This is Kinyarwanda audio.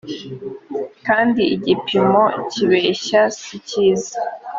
kandi igipimo kibeshya si cyiza